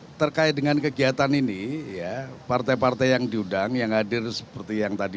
nah terkait dengan kegiatan ini ya partai partai yang diundang yang hadir seperti yang tadi